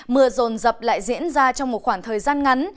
mưa rồn dập lại diễn ra trong một khoảng thời gian ngắn